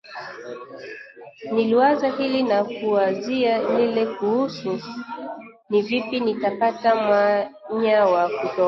Niliwaza hili na kuwazia lile kuhusu ni vipi nitapata mwanya wa kutoroka